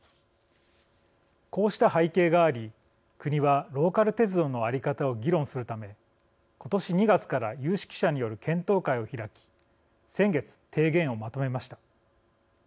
こうした背景があり国は、ローカル鉄道の在り方を議論するため今年２月から有識者による検討会を開き先月、提言をまとめました。